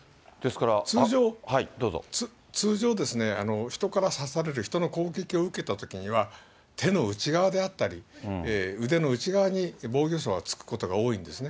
通常、人から刺される、人の攻撃を受けたときには、手の内側であったり、腕の内側に防御そうはつくことが多いんですね。